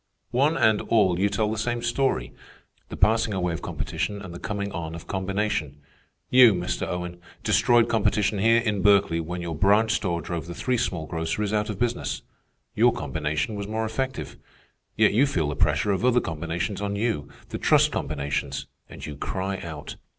"One and all you tell the same story,—the passing away of competition and the coming on of combination. You, Mr. Owen, destroyed competition here in Berkeley when your branch store drove the three small groceries out of business. Your combination was more effective. Yet you feel the pressure of other combinations on you, the trust combinations, and you cry out.